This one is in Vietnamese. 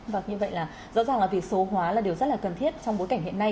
và như vậy là rõ ràng là việc số hóa là điều rất là cần thiết trong bối cảnh hiện nay